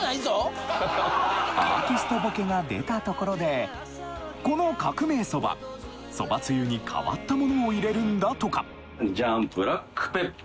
アーティストボケが出たところでこの革命そばそばつゆに変わったものを入れるんだとかジャン！